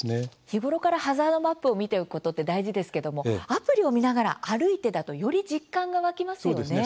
日頃からハザードマップを見ておくことって大事ですけどもアプリを見ながら歩いてだとより実感が湧きますよね。